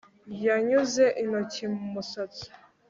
Yanyuze intoki mu musatsi